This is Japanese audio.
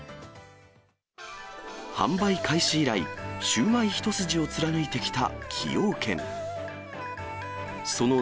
販売開始以来、シウマイ一筋を貫いてきた崎陽軒。